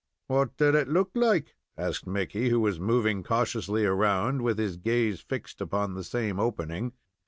"What did it look like?" asked Mickey, who was moving cautiously around, with his gaze fixed upon the same opening.